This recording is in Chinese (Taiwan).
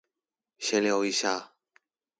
閒聊一下